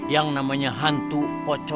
yang namanya hantu pokok